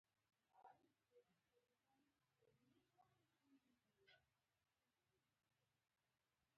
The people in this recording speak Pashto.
آیا ټول قومونه ځان ته افغان وايي؟